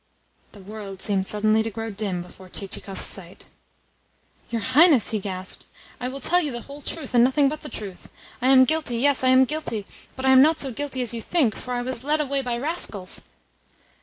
The world seemed suddenly to grow dim before Chichikov's sight. "Your Highness," he gasped, "I will tell you the whole truth, and nothing but the truth. I am guilty yes, I am guilty; but I am not so guilty as you think, for I was led away by rascals."